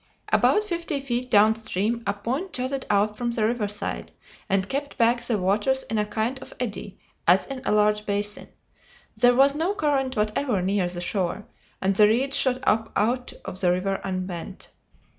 About fifty feet down stream a point jutted out from the riverside and kept back the waters in a kind of eddy, as in a large basin. There was no current whatever near the shore, and the reeds shot up out of the river unbent.